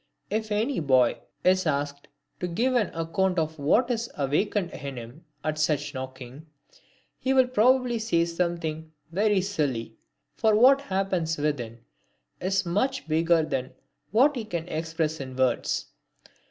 If any boy is asked to give an account of what is awakened in him at such knocking, he will probably say something very silly. For what happens within is much bigger than what he can express in words.